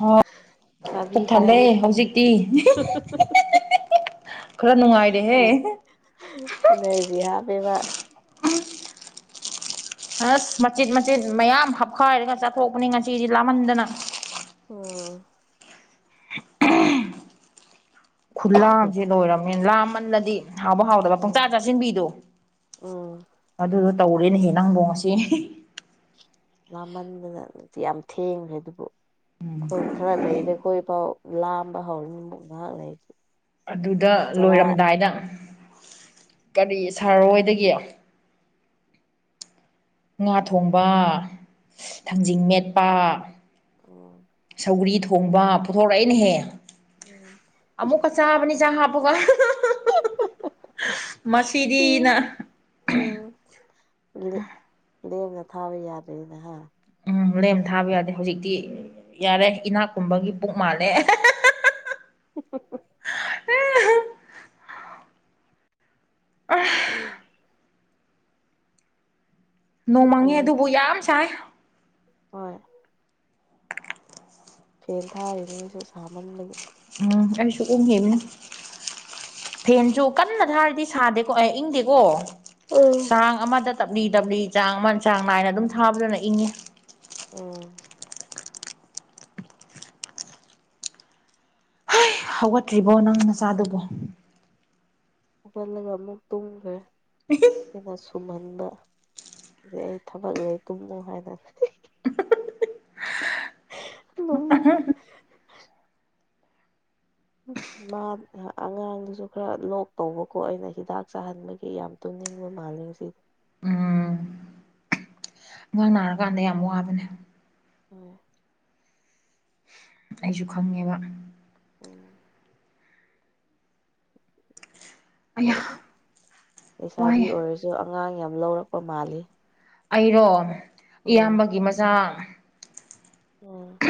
ꯍꯣꯏ ꯄꯨꯛ ꯊꯜꯂꯦ ꯆꯥꯕꯤꯈ꯭ꯔꯦ ꯍꯧꯖꯤꯛꯇꯤ ꯈꯔ ꯅꯨꯡꯉꯥꯏꯔꯦꯍꯦ ꯑ‌ꯦꯅꯔꯖꯤ ꯍꯥꯥꯞꯄꯦꯕ ꯑꯁ ꯃꯆꯦꯠ ꯃꯆꯦꯠ ꯃꯌꯥꯝ ꯍꯥꯞꯈꯥꯏꯔꯒ ꯆꯥꯊꯣꯛꯄꯅꯤ ꯉꯥꯆꯤꯗꯤ ꯂꯥꯝꯍꯟꯗꯅ ꯑꯣ ꯈꯨꯂꯥꯝꯁꯦ ꯂꯣꯏꯔꯝꯃꯦ ꯂꯥꯃꯜꯂꯗꯤ ꯍꯥꯎꯕ ꯍꯥꯎꯗꯕ ꯄꯡꯆꯥ ꯆꯥꯁꯤꯟꯕꯤꯗꯣ ꯎꯝ ꯑꯗꯨꯗꯣ ꯇꯧꯔꯦꯅꯦꯍꯦ ꯅꯪꯕ‌ꯣ ꯉꯁꯤ ꯂꯥꯝꯃꯟꯗꯅ ꯅꯨꯡꯇꯤ ꯌꯥꯝ ꯊꯦꯡꯈ꯭ꯔꯦ ꯑꯗꯨꯕꯨ ꯑꯩꯈꯣꯏ ꯈꯔ ꯂꯩꯔꯤꯗ ꯑꯩꯈꯣꯏ ꯐꯥꯎ ꯂꯥꯝꯕ ꯍꯧꯔꯅꯤ ꯃꯨꯛ ꯉꯥꯏꯍꯥꯛ ꯂꯩꯔꯗꯤ ꯑꯗꯨꯗ ꯆꯔꯥ ꯂꯣꯏꯔꯝꯗꯥꯏꯗ ꯀꯔꯤ ꯁꯥꯔꯔꯣꯏꯗꯒꯤ ꯉꯥ ꯊꯣꯡꯕ ꯎꯝ ꯊꯥꯡꯖꯤꯡ ꯃꯦꯠꯄ ꯎꯝ ꯁꯧꯒ꯭ꯔꯤ ꯊꯣꯡꯕ ꯄꯨꯊꯣꯔꯛꯑꯩꯅꯍꯦ ꯎꯝ ꯑꯃꯨꯛꯀ ꯆꯥꯕꯅꯤ ꯆꯥꯛ ꯍꯥꯞꯄꯒ ꯃꯁꯤꯗꯤꯅ ꯎꯝ ꯂꯦ ꯂꯦꯝꯅ ꯊꯥꯕ ꯌꯥꯗ꯭ꯔꯦꯗꯅ ꯍꯥ ꯎꯝ ꯂꯦꯝ ꯊꯥꯕ ꯌꯥꯗꯦ ꯍꯧꯖꯤꯛꯇꯤ ꯌꯥꯔꯦ ꯏꯅꯥꯛꯀꯨꯝꯕꯒꯤ ꯄꯨꯛ ꯃꯥꯜꯂꯦ [unintelligible] [unintelligible] ꯎꯝ ꯅꯣꯡꯃꯪꯉꯦ ꯑꯩ ꯑꯗꯨꯕꯨ ꯌꯥꯝ ꯁꯥꯏ ꯍꯣꯏ ꯐꯦꯟ ꯊꯥꯔꯤꯅꯤ ꯑꯩꯁꯨ ꯁꯥꯃꯟꯕꯒꯤ ꯎꯝ ꯑꯩꯁꯨ ꯎꯉꯤꯕꯅꯦ ꯐꯦꯟꯁꯨ ꯀꯟꯅ ꯊꯥꯔꯗꯤ ꯁꯥꯗꯦꯀꯣ ꯏꯪꯗꯦꯀꯣ ꯎꯝ ꯆꯥꯡ ꯑꯃꯗ ꯇꯞꯂꯤ ꯇꯞꯂꯤ ꯆꯥꯡ ꯑꯃ ꯆꯥꯡ ꯅꯥꯏꯅ ꯑꯗꯨꯝ ꯊꯥꯕꯗꯨꯅ ꯏꯪꯉꯤ ꯎꯝ ꯍꯧꯒꯠꯇ꯭ꯔꯤꯕꯣ ꯅꯪ ꯅꯆꯥꯗꯨꯕ‌ꯣ ꯍꯧꯍꯜꯂꯒ ꯑꯃꯨꯛ ꯇꯨꯡꯈ ꯍꯦꯟꯅ ꯁꯨꯝꯍꯟꯕ ꯑꯗꯩ ꯑꯩ ꯊꯕꯛ ꯂꯩ ꯇꯨꯝꯃꯨ ꯍꯥꯏ [unintelligible] ꯅꫭꯛꯅꯤꯡꯉꯤ ꯃꯥ ꯑꯉꯥꯡꯗꯨꯁꯨ ꯈꯔ ꯂꯣꯛ ꯇꯧꯕꯀꯣ ꯑꯩꯅ ꯍꯤꯗꯥꯛ ꯆꯥꯍꯟꯕꯒꯤ ꯌꯥꯝ ꯇꯨꯝꯅꯤꯡꯚ ꯃꯥꯜꯂ‌ꯦ ꯉꯥꯁꯤ ꯎꯝ ꯑꯉꯥꯡ ꯅꯥꯔꯀꯥꯟꯗ ꯌꯥꯝ ꯋꯥꯕꯅꯦ ꯍꯣꯏ ꯑꯩꯁꯨ ꯈꯪꯉꯦꯕ ꯎꯝ ꯑꯌꯥ ꯍꯣꯏ ꯋꯥꯏꯌꯦ ꯂꯩꯁꯥꯕꯤ ꯑꯣꯏꯔꯁꯨ ꯑꯉꯥꯡ ꯌꯥꯝ ꯂꯧꯔꯛꯄ ꯃꯥꯜꯂꯤ ꯑꯩꯔꯣ ꯎꯝ ꯏꯌꯥꯝꯕꯒꯤ ꯃꯆꯥ ꯑꯣ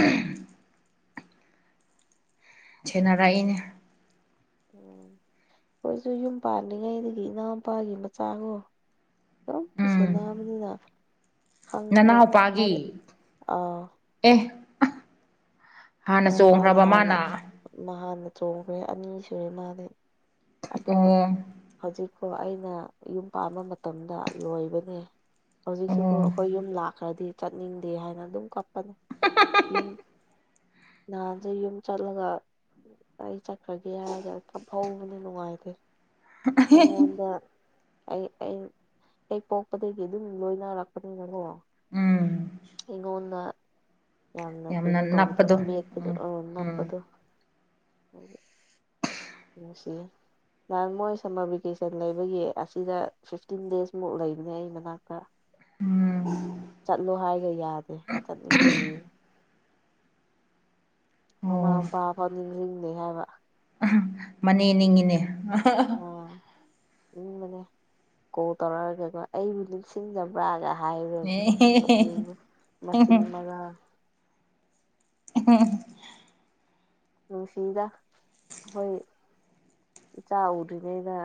ꯁꯦꯟꯅꯔꯛꯏꯅꯦ ꯎꯝ ꯑꯩꯏꯁꯨ ꯌꯨꯝ ꯄꯥꯟꯜꯂꯤꯉꯩꯗꯒꯤ ꯏꯅꯥꯎꯄꯥꯒꯤ ꯃꯆꯥꯔ‌ꯣ ꯑꯗꯨꯝ ꯎꯝ ꯁꯦꯟꯅꯕꯅꯤꯅ ꯈꯪꯉꯦꯕ ꯅꯅꯥꯎꯄꯥꯒꯤ ꯍꯥꯏꯕꯗꯤ ꯑꯥ ꯑꯦ ꯍꯥꯟꯅ ꯆꯣꯡꯈ꯭ꯔꯕ ꯃꯥꯅ ꯅꯍꯥꯟꯅ ꯆꯣꯡꯈ꯭ꯔꯦ ꯑꯅꯤ ꯁꯨꯔꯦ ꯃꯥꯗꯤ ꯑꯗꯣ ꯑꯣ ꯍꯧꯖꯤꯛꯀꯣ ꯑꯩꯅ ꯌꯨꯝ ꯄꯥꯟꯕ ꯃꯇꯝꯗ ꯂꯣꯏꯕꯅꯦ ꯍꯧꯖꯤꯛꯁꯨꯀ‌ꯣ ꯑꯣ ꯑꯩꯈꯣꯏ ꯌꯨꯝ ꯂꯥꯛꯈ꯭ꯔꯗꯤ ꯆꯠꯅꯤꯡꯗꯦ ꯍꯥꯏꯅ ꯑꯗꯨꯝ ꯀꯞꯄꯅꯦ ꯌꯨꯝ ꯅꯍꯥꯟꯁꯦ ꯌꯨꯝ ꯆꯠꯂꯒ ꯑꯩ ꯆꯠꯈ꯭ꯔꯒꯦ ꯍꯥꯏꯔꯒ ꯀꯞꯐꯧꯕꯅꯦ ꯅꯨꯡꯉꯥꯏꯇꯦ ꯑꯩꯉꯣꯟꯗ ꯑꯩ ꯑꯩ ꯍꯦꯛ ꯄꯣꯛꯄꯗꯒꯤ ꯑꯗꯨꯝ ꯂꯣꯏꯅꯔꯛꯄꯅꯤꯅꯀꯣ ꯎꯝ ꯑꯩꯉꯣꯟꯗ ꯌꯥꯝꯅ ꯀꯩꯅꯣ ꯇꯧꯕꯗꯣ ꯅꯞꯄꯗꯣ ꯎꯝ ꯑ ꯅꯄ ꯎꯝ ꯑꯗꯨ ꯑꯣꯁꯦ ꯅꯥꯟ ꯃꯣꯏ ꯁꯝꯃꯔ ꯚꯦꯀꯦꯁꯟ ꯂꯩꯕꯒꯤ ꯑꯁꯤꯗ ꯐꯤꯐꯇꯤꯟ ꯗꯦꯖꯃꯨꯛ ꯂꯩꯕꯅꯦ ꯑꯩ ꯃꯅꯥꯛꯇ [inaudible] ꯎꯝ ꯆꯠꯂꯣ ꯍꯥꯏꯔꯒ ꯌꯥꯗꯦ ꯆꯠꯂꯤꯗꯤ ꯃꯃꯥ ꯑꯣ ꯃꯄꯥ ꯐꯥꯎꯅꯤꯡꯁꯤꯡꯤꯡꯗꯦ ꯍꯥꯏꯕ ꯑ ꯃꯅꯦ ꯅꯤꯡꯉꯤꯅꯦ ꯑ ꯑ ꯎ ꯃ ꯀꯣ ꯇꯔꯥ ꯀꯦꯀ ꯑꯩꯕꯨ ꯁꯤꯟꯗꯕꯥꯒ ꯍꯥꯏꯔꯗꯤ ꯅꯣꯛꯅꯤꯡꯉꯦ ꯃꯆꯤꯟ ꯃꯌꯥ [unintelligible] ꯅꯨꯡꯁꯤꯗ ꯑꯈꯣꯏ ꯏꯆꯥ ꯎꯗ꯭ꯔꯤꯉꯩꯗ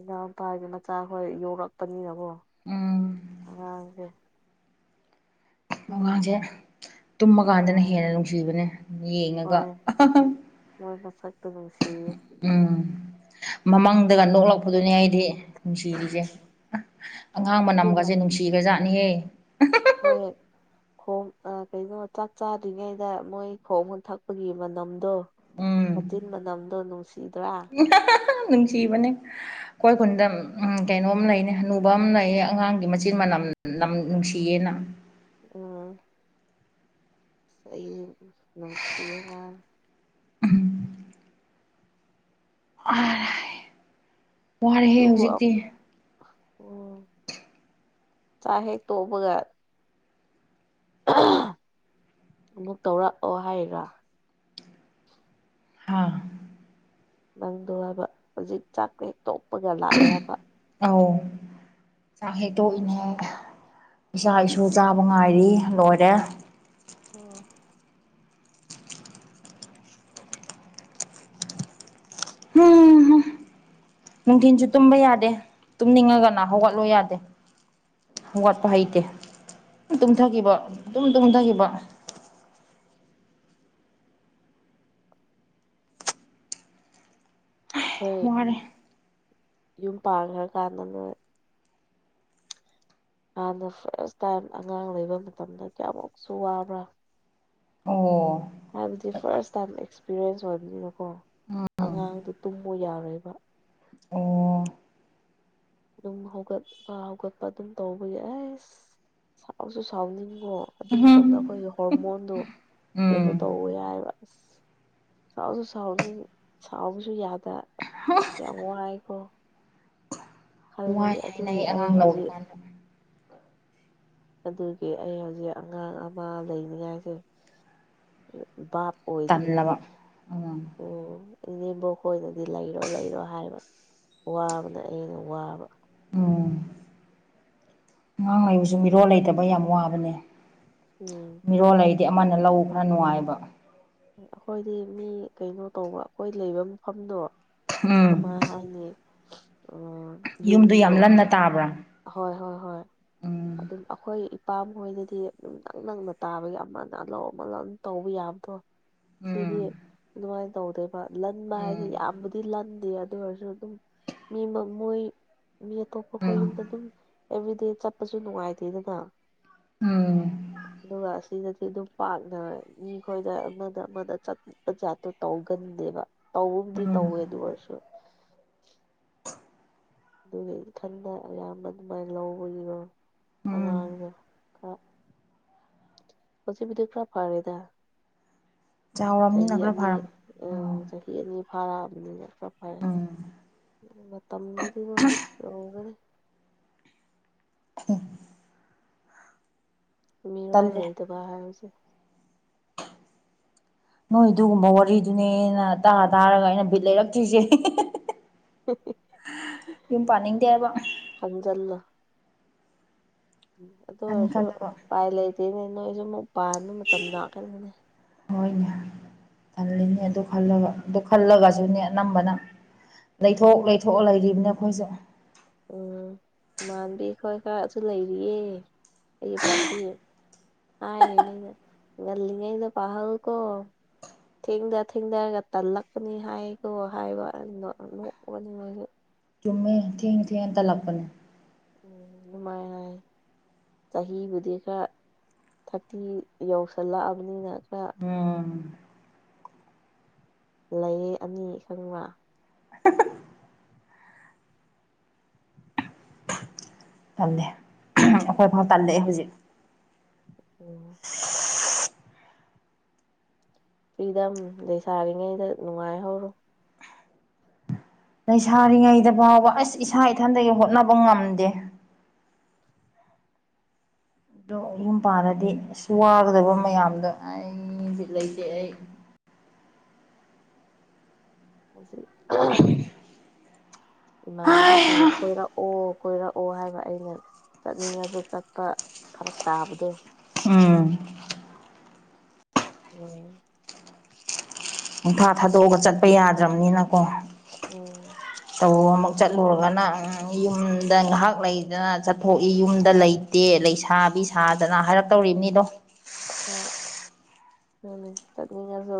ꯏꯅꯥꯎꯄꯥꯒꯤ ꯃꯆꯥꯈꯣꯏ ꯌꯧꯔꯛꯄꯅꯤꯅꯀꯣ ꯎꯝ ꯑꯉꯥꯡꯁꯦ ꯑꯗꯨꯝ ꯑꯉꯥꯡꯖꯦ ꯇꯨꯝꯃꯀꯥꯟꯗꯅ ꯅꯨꯡꯉꯥꯏ ꯍꯦꯟꯅ ꯅꯨꯡꯁꯤꯕꯅꯦ ꯌꯦꯡꯉꯒ ꯍꯣꯏ ꯃꯣꯏ ꯃꯁꯛꯇꯣ ꯅꯨꯡꯁꯤꯌꯦ ꯎꯝ ꯃꯃꯪꯗꯒ ꯅꯣꯛꯂꯛꯄꯗꯨꯅꯤ ꯑꯩꯗꯤ ꯅꯨꯡꯁꯤꯔꯤꯖꯦ ꯎꯝ ꯑꯉꯥꯡ ꯑꯗꯨꯒ ꯃꯅꯝꯒꯖꯦ ꯅꯨꯡꯁꯤꯒ꯭ꯔ ꯖꯥꯠꯅꯤꯍꯦ ꯍꯣꯏ ꯈꯣꯡ ꯑ ꯀꯩꯅꯣ ꯆꯥꯛ ꯆꯥꯗ꯭ꯔꯤꯉꯩꯗ ꯃꯣꯏ ꯈꯣꯝꯒ ꯊꯛꯄꯒꯤ ꯃꯅꯝꯗꯣ ꯎꯝ ꯃꯆꯤꯟ ꯃꯅꯝꯗꯣ ꯅꯨꯡꯁꯤꯗ꯭ꯔꯥ ꯅꯨꯡꯁꯤꯕꯅꯦ ꯑꯩꯈꯣꯏ ꯈꯨꯨꯟꯗ ꯎꯝ ꯀꯩꯅꯣꯝ ꯂꯩꯅꯦ ꯍꯟꯅꯨꯕ ꯑꯃ ꯂꯩꯌꯦ ꯑꯉꯥꯡꯒꯤ ꯃꯆꯤꯟ ꯃꯅꯝ ꯅꯝ ꯅꯨꯡꯁꯤꯌꯦꯅ ꯑꯝ ꯑꯩꯖꯨ ꯅꯨꯡꯁꯤꯌꯦ ꯉꯥ [unintelligible] [unintelligible] ꯋꯥꯔꯦꯍꯦ ꯑꯗꯨꯕꯨ ꯍꯧꯖꯤꯛꯇꯤ ꯆꯥꯛ ꯍꯦꯛ ꯇꯣꯛꯄꯒ ꯑꯃꯨꯛ ꯇꯧꯔꯛꯑꯣ ꯍꯥꯏꯔꯤꯔꯣ ꯍꯣꯢ ꯅꯪꯗꯣ ꯍꯥꯏꯕ ꯍꯧꯖꯤꯛ ꯆꯥꯛ ꯍꯦꯛ ꯇꯣꯛꯄꯒ ꯂꯥꯛꯌꯦ ꯍꯥꯢꯕ ꯑꯥꯎ ꯆꯥꯛ ꯍꯦꯛ ꯎꯝ ꯇꯣꯛꯏꯅꯦ ꯏꯆꯥ ꯏꯁꯨ ꯆꯥꯕ ꯉꯥꯏꯔꯤ ꯂꯣꯏꯔꯦ ꯑꯣ ꯍꯨꯝ ꯍꯨꯝ [unintelligible] ꯅꯨꯡꯊꯤꯟꯁꯨ ꯇꯨꯝꯕ ꯌꯥꯗꯦ ꯇꯨꯝꯅꯤꯡꯉꯒꯅ ꯍꯧꯒꯠꯂꯣ ꯌꯥꯗꯦ ꯍꯧꯒꯠꯄ ꯎꯝ ꯍꯩꯇꯦ ꯇꯨꯝꯊꯈꯤꯕ ꯑꯗꯨꯝ ꯇꯨꯝꯊꯈꯤꯕ ꯍꯣꯏ ꯋꯥꯔꯦ ꯌꯨꯝ ꯄꯥꯟꯈ꯭ꯔ ꯀꯥꯟꯗꯅꯦ ꯍꯥꯟꯅ ꯐꯔꯁ ꯇꯥꯏꯝ ꯑꯉꯥꯡ ꯂꯩꯕ ꯃꯇꯝꯗ ꯀꯌꯥꯃꯨꯛꯁꯨ ꯋꯥꯕ꯭ꯔꯥ ꯑꯣ ꯍꯥꯏꯕꯗꯤ ꯐꯔꯁ ꯇꯥꯏꯝ ꯑꯦꯛꯁꯄꯤꯔꯤꯌꯦꯟꯁ ꯑꯣꯏꯕꯅꯤꯅꯀꯣ ꯎꯝ ꯑꯉꯥꯡꯗꯨ ꯇꯨꯝꯃꯣ ꯌꯥꯔꯣꯏꯕ ꯑꯣ ꯑꯗꯨꯝ ꯍꯧꯒꯠꯄ ꯍꯧꯒꯠꯄ ꯑꯗꯨꯝ ꯇꯧꯕ ꯌꯥ ꯑꯁ ꯁꯥꯎꯁꯨ ꯁꯥꯎꯅꯤꯡꯉꯣ ꯑꯗꯨ ꯎꯝꯍꯨꯝ ꯃꯇꯝꯗ ꯑꯩꯈꯣꯏꯒꯤ ꯍꯣꯔꯃꯣꯟꯗꯣ ꯎꯝ ꯀꯩꯅꯣ ꯇꯧꯋꯦ ꯍꯥꯢꯕ ꯁꯥꯎꯁꯨ ꯁꯥꯎꯅꯤꯡ ꯁꯥꯎꯕꯁꯨ ꯌꯥꯗ ꯑ ꯌꯥꯝ ꯋꯥꯏꯀꯣ ꯈꯜ ꯋꯥꯏ ꯑꯗꯨꯒꯤ ꯍꯥꯏꯅꯩ ꯑꯩ ꯑꯉꯥꯡ ꯍꯧꯖꯤꯛ ꯂꯧꯔꯤꯀꯥꯟꯗ ꯑꯗꯨꯒꯤ ꯑꯩ ꯍꯧꯖꯤꯛ ꯑꯉꯥꯡ ꯑꯃ ꯂꯩꯅꯤꯡꯉꯥꯏꯁꯦ ꯕꯥꯞ ꯑꯣꯏꯗꯔꯤ ꯇꯜꯂꯕ ꯍꯧꯖꯤꯛ ꯎꯝ ꯑꯣ ꯏꯅꯦꯕꯣꯛꯈꯣꯏꯅꯗꯤ ꯂꯩꯔꯣ ꯂꯩꯔꯣ ꯍꯥꯏꯕ ꯋꯥꯕꯅ ꯑꯩꯅ ꯋꯥꯕ ꯑꯝ ꯑꯉꯥꯡ ꯂꯩꯕꯁꯨ ꯃꯤꯔꯣꯜ ꯂꯩꯇꯕ ꯌꯥꯝ ꯋꯥꯕꯅꯦ ꯎꯝ ꯃꯤꯔꯣꯜꯂꯩꯗꯤ ꯑꯃꯅ ꯂꯧ ꯈꯔ ꯅꯨꯡꯉꯥꯏꯕ ꯑꯩꯈꯣꯏꯗꯤ ꯃꯤ ꯀꯩꯅꯣ ꯇꯧꯕ ꯑꯩꯈꯣꯏ ꯂꯩꯕ ꯃꯐꯝꯗꯣ ꯑꯃ ꯎꯝ ꯍꯥꯏꯗꯤ ꯑꯥ ꯌꯨꯝꯗꯨ ꯌꯨꯝꯗꯣ ꯌꯥꯝ ꯂꯟꯅ ꯇꯥꯕ꯭ꯔꯥ ꯍꯣꯏ ꯍꯣꯏ ꯍꯣꯏ ꯎꯝ ꯑꯗꯨꯝ ꯑꯩꯈꯣꯏ ꯏꯄꯥꯝ ꯍꯣꯏꯗꯗꯤ ꯅꯛ ꯅꯛꯅ ꯇꯥꯕꯒꯤ ꯑꯃꯅ ꯂꯧ ꯑꯃꯅ ꯇꯧꯕ ꯌꯥꯕꯗꯣ ꯎꯝ ꯁꯤꯗꯤ ꯑꯗꯨꯃꯥꯏꯅ ꯇꯧꯗꯦꯕ ꯂꯟꯕ ꯎꯝ ꯍꯥꯏꯗꯤ ꯌꯥꯝꯕꯨꯗꯤ ꯂꯟꯗꯦ ꯑꯗꯨ ꯑꯣꯏꯔꯁꯨ ꯑꯗꯨꯝ ꯃꯤ ꯃ ꯃꯣꯏ ꯃꯤ ꯑꯇꯣꯞꯄ ꯈꯣꯏ ꯎꯝ ꯌꯨꯝꯗ ꯑꯗꯨꯝ ꯑꯦꯚ꯭ꯔꯤꯗꯦ ꯆꯠꯄꯁꯨ ꯅꯨꯡꯉꯥꯏꯇꯦꯗꯅ ꯎꯝ ꯑꯗꯨꯒ ꯑꯁ ꯁꯤꯗꯗꯤ ꯑꯗꯨꯝ ꯄꯥꯛꯅ ꯃꯤꯈꯣꯏꯗ ꯑꯃꯗ ꯑꯃꯗ ꯆꯠꯄ ꯖꯥꯠꯇꯣ ꯇꯧꯒꯟꯗꯦꯕ ꯇꯧꯕꯕꯨꯗꯤ ꯎꯝ ꯇꯧꯋꯦ ꯑꯗꯨ ꯑꯣꯏꯔꯁꯨ ꯑꯗꯨꯒꯤ ꯏꯊꯟꯗ ꯑꯌꯥꯝꯕ ꯑꯗꯨꯃꯥꯏꯅ ꯂꯧꯕꯒꯤꯔꯣ ꯎꯝ ꯑꯉꯥꯡꯁꯦ ꯍꯧꯖꯤꯛꯄꯨꯗꯤ ꯈꯔ ꯐꯔꯦꯗ ꯆꯍꯤ ꯆꯥꯎꯔꯕꯅꯤꯅ ꯈꯔ ꯑꯅꯤ ꯐꯔꯝ ꯎ ꯎꯝ ꯆꯍꯤ ꯑꯅꯤ ꯐꯥꯔꯛꯑꯕꯅꯤ ꯈꯔ ꯐꯩ ꯎꯝ ꯃꯇꯝꯗꯨꯗꯤꯀꫭ ꯌꯧꯒꯅꯤ [inaudible] ꯃꯤꯔꯣꯜ ꯇꯜꯂꯦ ꯂꯩꯩꯗꯕ ꯍꯥꯏꯕꯁꯦ ꯅꯣꯏ ꯑꯗꯨꯒꯨꯝꯕ ꯋꯥꯔꯤꯗꯨꯅꯦꯅ ꯇꯥ ꯇꯥꯔꯒ ꯑꯩꯅ ꯕꯤꯠ ꯂꯩꯔꯛꯇ꯭ꯔꯤꯁꯦ ꯌꯨꯝ ꯄꯅꯤꯗꯦꯕ ꯍꯟꯖꯜꯂꫭ ꯑꯗꯨ ꯈꯟ ꯑꯣꯏꯔꯁꯨ ꯈꯜꯂꯒ ꯎꯄꯥꯏ ꯂꯩꯇꯦꯅꯦ ꯅꯣꯏꯁꯨ ꯑꯃꯨꯛ ꯄꯥꯟꯕ ꯃꯇꯝ ꯂꯥꯛꯀꯅꯤꯅꯦ ꯍꯣꯏꯅꯦ ꯇꯜꯂꯤꯅꯦ ꯑꯗꯨ ꯈꯜꯂꯒ ꯑꯗꯨ ꯈꯜꯂꯒꯁꯨꯅꯦ ꯑꯅꯝꯕꯅ ꯂꯩꯊꯣꯛ ꯂꯩꯊꯣꯛꯑ ꯂꯩꯔꯤꯕꯅꯦ ꯑꯩꯈꯣꯏꯁꯦ ꯎꯝ ꯏꯃꯥꯟꯅꯕꯤ ꯈꫭꯏ ꯈꯔꯁꯨ ꯂꯩꯔꯤꯌꯦ ꯑꯩꯒꯤ ꯄꯥꯔꯇꯤ [unintelligible] ꯄꯥꯍꯧꯀꯣ ꯊꯦꯡꯗ ꯊꯦꯡꯗꯔꯒ ꯇꯜꯂꯛꯄꯅꯤ ꯍꯥꯏꯀꯣ ꯍꯥꯏꯕ [unintelligible] ꯆꯨꯝꯃꯦ ꯊꯦꯡ ꯊꯦꯡ ꯇꯜꯂꯛꯄꯅꯦ ꯎꯝ ꯗꯨꯃꯥꯏ ꯆꯍꯤꯕꯨꯗꯤ ꯈꯔ ꯊꯥꯔꯇꯤ ꯌꯧꯁꯜꯂꯛꯑꯕꯅꯤꯅ ꯈꯔ ꯎꯝ ꯂꯩ ꯑꯅꯤ ꯈꯪꯕ ꯇꯜꯂꯦ ꯑꯩꯈꯣꯏ ꯐꯥꯎ ꯇꯜꯂꯛꯑꯦ ꯍꯧꯖꯤꯛ [unintelligible] ꯄꯤꯗꯝ ꯂꯩꯁꯥꯔꯤꯉꯩꯗ ꯅꯨꯡꯉꯥꯏꯍꯧꯔꯣ ꯂꯩꯁꯥꯔꯤꯉꯩꯗ ꯐꯥꯎꯕ ꯑꯁ ꯏꯁꯥ ꯏꯊꯟꯗꯒꯤ ꯍꯣꯠꯅꯕ ꯉꯝꯗꯦ ꯑꯗꯣ ꯌꯨꯝ ꯄꯥꯟꯂꯥꯗꯤ ꯑꯁ ꯋꯥꯒꯗꯕ ꯃꯌꯥꯝꯗꯣ ꯑꯩ ꯕꯤꯠ ꯂꯩꯇꯦ ꯑꯩ ꯎꯝ [unintelligible] ꯑꯩ ꯏꯃꯥꯟꯅꯕꯤꯁꯤꯡ ꯀꯣꯏꯔꯛꯑꯣ ꯀꯣꯏꯔꯛꯑꯣ ꯍꯥꯏꯕ ꯑꯩꯅ ꯆꯠꯅꯤꯡꯉꯁꯨ ꯆꯠꯄ ꯐꯔꯛ ꯇꯥꯕꯗꯣ ꯎꯝ [unintelligible] ꯅꯨꯡꯊꯥ ꯊꯥꯗꯣꯛꯑꯒ ꯆꯠꯄ ꯌꯥꯗ꯭ꯔꯝꯅꯤꯅꯀꯣ ꯎꯝ ꯇꯧ ꯑꯃꯨꯛ ꯆꯠꯂꯨꯔꯒꯅ ꯌꯨꯝꯗ ꯉꯥꯏꯍꯥꯛ ꯂꯩꯗꯅ ꯆꯠꯊꯣꯛꯏ ꯌꯨꯝꯗ ꯂꯩ ꯇꯦ ꯂꯩꯁꯥꯕꯤ ꯁꯥꯥꯗꯅ ꯍꯥꯏꯔꯛꯇꯧꯔꯤꯅꯤꯗꯣ ꯍꯣꯏ ꯑꯗꯨꯅꯦ ꯆꯠꯅꯤꯡꯉꯁꯨ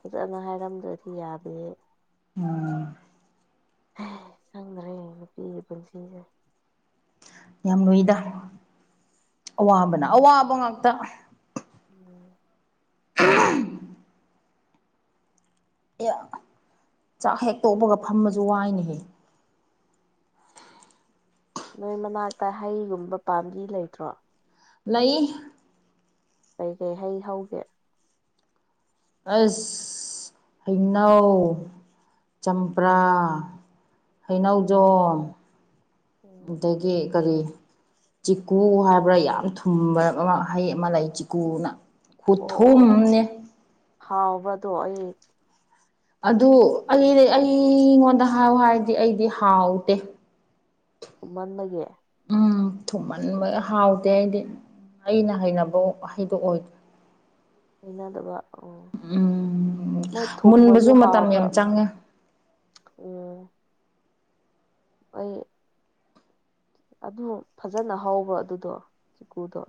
ꯐꯖꯅ ꯍꯥꯏꯔꯝꯗ꯭ꯔꯗꯤ ꯌꯥꯗꯦ ꯎꯝ ꯈꯪꯗ꯭ꯔꯦ ꯅꯨꯄꯤꯒꯤ ꯄꯨꯟꯁꯤꯁꯦ ꯌꯥꯝ ꯂꯨꯏꯗ ꯑꯋꯥꯕꯅ ꯑꯋꯥꯕ ꯉꯥꯛꯇ ꯎꯝ [unintelligible] ꯑꯦ ꯆꯥꯛ ꯍꯦꯛ ꯇꯣꯛꯄꯒ ꯐꯃꯁꯨ ꯋꯥꯏꯅꯦꯍꯦ ꯅꯣꯏ ꯃꯅꯥꯛꯇ ꯍꯩꯒꯨꯝꯕ ꯄꯥꯝꯕꯤ ꯂꯩꯇ꯭ꯔꯣ ꯂꯩ ꯀꯩꯀꯩ ꯍꯩ ꯍꯧꯒꯦ ꯑꯩꯁ ꯍꯩꯅꯧ ꯆꯝꯄ꯭ꯔꯥ ꯎꯝ ꯍꯩꯅꯧꯖꯣꯡ ꯎꯝ ꯑꯗꯒꯤ ꯀꯔꯤ ꯆꯤꯀꯨ ꯍꯥꯏꯕ꯭ꯔꯥ ꯌꯥꯝ ꯊꯨꯝꯕ ꯑꯃ ꯍꯩ ꯑꯃ ꯂꯩ ꯆꯤꯀꯨꯅ ꯈꯨꯊꯨꯝꯅꯦ ꯍꯥꯎꯕꯗꯣ ꯑꯩ ꯑꯗꯨ ꯑꯩꯗꯤ ꯑꯩꯉꯣꯟꯗ ꯍꯥꯏꯌꯨ ꯍꯥꯏꯔꯗꯤ ꯑꯩꯗꯤ ꯍꯥꯎꯗꯦ ꯊꯨꯝꯃꯥꯟꯕꯒꯤ ꯎꯝ ꯊꯨꯝꯃꯟꯕ ꯍꯥꯎꯗꯦ ꯑꯩꯗꯤ ꯑꯩꯅ ꯍꯩꯅꯕ ꯍꯩꯗꯣꯑꯣꯏ ꯍꯩꯅꯗꯕ ꯑꯣ ꯎꯝ ꯃꯣꯏ ꯊꯨꯝꯃꯁꯨ ꯃꯨꯟꯕꯁꯨ ꯃꯇꯝ ꯍꯥꯎꯕ ꯌꯥꯝ ꯆꯪꯉꯦ ꯑꯣꯝ ꯑꯣꯏꯣꯏ ꯑꯗꯨ ꯐꯖꯅ ꯍꯧꯕ ꯑꯗꯨꯗꯣ ꯆꯤꯀꯨꯗꯣ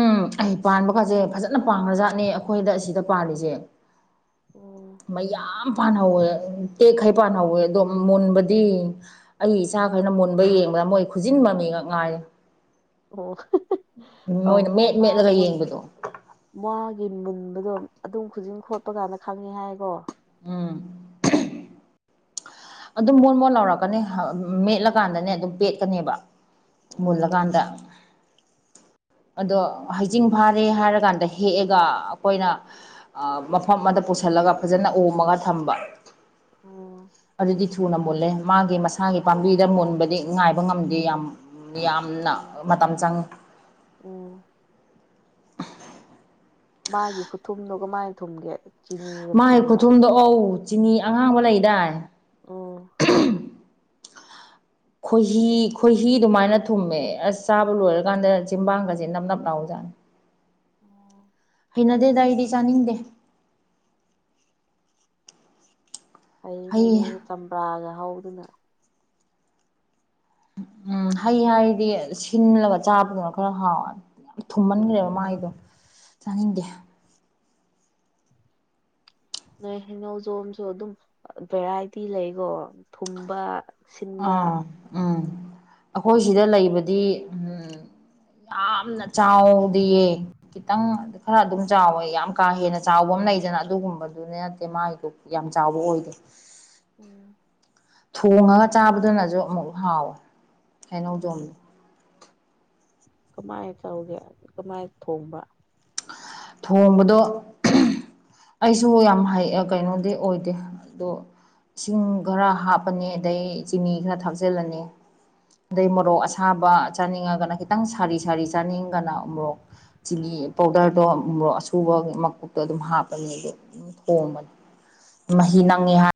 ꯎꯝ ꯑꯩ ꯄꯥꯟꯕꯒꯥꯁꯦ ꯐꯖꯅ ꯄꯈ꯭ꯔꯖꯥꯠꯅꯦ ꯑꯩꯈꯣꯏꯗ ꯑꯁꯤꯗ ꯄꯥꯜꯂꯤꯁꯦ ꯑꯣ ꯃꯩ ꯌꯥꯝ ꯄꯥꯅꯍꯧꯋꯦ ꯇꯦꯛꯈꯩ ꯄꯥꯅꯍꯧꯋꯦ ꯑꯗꯣ ꯃꯨꯟꯕꯗꯤ ꯑꯩ ꯏꯆꯥꯈꯩꯅ ꯃꯨꯟꯕ ꯌꯦꯡꯕꯗ ꯃꯣꯏ ꯈꯨꯖꯤꯟꯕ ꯃꯤꯈꯛ ꯉꯥꯏꯔ ꯑꯣ ꯑ ꯃꯣꯏꯅ ꯃꯣꯏ ꯃꯦꯠ ꯃꯥꯥꯏ ꯃꯦꯠꯂꯒ ꯃꯨꯟ ꯌꯦꯡꯕꯗꯣ ꯃꯥꯒꯤ ꯃꯨꯟꯕꯗꯣ ꯑꯗꯨꯝ ꯈꯨꯗꯤꯡ ꯈꯣꯠꯄ ꯀꯥꯟꯗ ꯈꯪꯉꯤ ꯍꯥꯏꯀꯣ ꯎꯝ ꯑꯗꯨꯝ ꯃꯣꯣꯟ ꯃꯣꯟꯠ ꯂꯧꯔꯛꯀꯅꯤ ꯃꯦꯠꯂꯀꯥꯟꯗꯅꯦ ꯑꯗꯨꯝ ꯄꯦꯠꯀꯅꯦꯕ ꯃꯣꯂ ꯎꯝ ꯀꯥꯟꯗ ꯑꯗꯣ ꯍꯩꯖꯤꯡ ꯐꯥꯔꯦ ꯍꯥꯏꯔꯀꯥꯟꯗ ꯍꯦꯛꯑꯒ ꯑꯩꯈꯣꯏꯅ ꯃꯐꯝ ꯑꯃꯗ ꯄꯨꯁꯤꯜꯂꯒ ꯐꯖꯅ ꯑꯣꯝꯃꯒ ꯊꯝꯕ ꯑꯣ ꯑꯗꯨꯗꯤ ꯊꯨꯅ ꯃꯨꯜꯂꯦ ꯃꯥꯒꯤ ꯃꯁꯥꯒꯤ ꯄꯥꯝꯕꯤꯗ ꯃꯨꯟꯕꯗꯤ ꯉꯥꯏꯕ ꯉꯝꯗꯦ ꯌꯥꯝ ꯌꯥꯝꯅ ꯎꯝ ꯃꯇꯝ ꯆꯪꯉꯏ ꯎꯝ ꯃꯥꯒꯤ ꯈꯨꯊꯨꯝꯗꯨꯣ ꯀꯃꯥꯏꯅ ꯊꯨꯝꯒꯦ ꯆꯤꯅꯤꯒꯨꯝ ꯃꯥꯒꯤ ꯊꯨꯝꯕ꯭ꯔꯥ ꯈꯨꯊꯨꯝꯗꯣ ꯑꯧ ꯆꯤꯅꯤ ꯑꯉꯥꯡꯕ ꯂꯩꯗꯥꯏ ꯎꯝ ꯈꯣꯏꯍꯤ ꯈꯣꯏꯍꯤ ꯑꯗꯨꯃꯥꯏꯅ ꯊꯨꯝꯃꯦ ꯑꯁ ꯆꯥꯕ ꯂꯣꯏꯔꯀꯥꯟꯗ ꯖꯤꯝꯕꯥꯡꯒꯁꯦ ꯅꯞ ꯅꯞ ꯂꯥꯎꯎ ꯖꯥꯠꯅꯤ ꯎꯝ ꯍꯩꯅꯗꯦꯗ ꯑꯩꯗꯤ ꯆꯥꯅꯤꯡꯗꯦ ꯑꯩꯅꯦ ꯍꯩ ꯅꯗꯤ ꯆꯝꯄ꯭ꯔꯥꯒ ꯍꯧꯗꯅ ꯎꯝ ꯍꯩ ꯍꯥꯏꯗꯤ ꯁꯤꯜꯂꯒ ꯆꯥꯕꯗꯨꯅ ꯈꯔ ꯍꯥꯎꯋꯅꯤ ꯌꯥꯝ ꯎꯝ ꯊꯨꯝꯃꯟꯈ꯭ꯔꯦꯕ ꯃꯥꯒꯤꯗꯣ ꯆꯥꯅꯤꯡꯗꯦ ꯅꯣꯏ ꯍꯉꯧꯖꯣꯝꯁꯨ ꯑꯗꯨꯝ ꯚꯦꯔꯥꯏꯇꯤ ꯂꯩꯀꯣ ꯊꯨꯝꯕ ꯁꯤꯟꯕ ꯑꯥ ꯎꯝ ꯑꯩꯈꯣꯏ ꯁꯤꯗ ꯂꯩꯕꯗꯤ ꯎꯝ ꯌꯥꯝꯅ ꯆꯥꯎꯗꯤꯌꯦ ꯈꯤꯇꯪ ꯈꯔ ꯑꯗꯨꯝ ꯆꯥꯎꯋꯦ ꯌꯥꯝ ꯀꯥ ꯍꯦꯟꯅ ꯆꯥꯎꯕ ꯑꯃ ꯂꯩꯗꯅ ꯑꯗꯨꯒꯨꯝꯕꯗꯨ ꯑꯗꯨꯗ ꯅꯠꯇꯦ ꯃꯥꯒꯤꯗꯣ ꯌꯥꯝ ꯆꯥꯎꯕ ꯑꯣꯏꯗꯦ ꯎꯝ ꯊꯣꯡꯉꯒ ꯆꯥꯕꯗꯨꯅꯁꯨ ꯑꯃꯨꯛ ꯍꯥꯎꯋꯦ ꯎꯝ ꯍꯩꯅꯧꯖꯣꯝꯗꯣ ꯀꯃꯥꯏꯅ ꯇꯧꯒꯦ ꯀꯃꯥꯏꯅ ꯊꯣꯡꯕ ꯊꯣꯡꯕꯗꯣ ꯑꯩꯁꯨ ꯌꯥꯝ ꯀꯩꯅꯣꯗꯤ ꯑꯣꯏꯗꯦ ꯑꯗꯣ ꯏꯁꯤꯡ ꯈꯔ ꯍꯥꯞꯄꯅꯤ ꯑꯗꯩ ꯆꯤꯅꯤ ꯈꯔ ꯊꯥꯞꯆꯤꯜꯂꯅꯤ ꯑꯗꯩ ꯃꯣꯔꯣꯛ ꯎꯝ ꯑꯁꯥꯕ ꯆꯥꯅꯤꯡꯉꯒꯅ ꯈꯤꯇꯪ ꯁꯥꯔꯤ ꯁꯥꯔꯤ ꯆꯥꯅꯤꯡꯒꯅ ꯃꯣꯔꯣꯛ ꯆꯤꯂꯤ ꯄꯥꯎꯗꯔꯗꯣ ꯃꯣꯔꯣꯛ ꯑꯁꯨꯕꯒꯤ ꯃꯀꯨꯞꯇꯣ ꯑꯗꯨꯝ ꯍꯥꯞꯄꯅꯤ ꯑꯗꯨꯗꯣ ꯑꯗꯨꯝ ꯊꯣꯡꯕꯅꯤ ꯃꯍꯤ ꯎꯝ ꯅꯪꯉꯤ ꯍꯥꯏ